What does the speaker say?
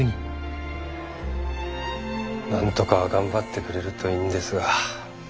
なんとか頑張ってくれるといいんですが。